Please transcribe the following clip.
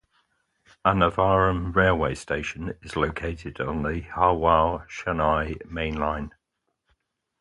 Annavaram railway station is located on the Howrah-Chennai main line.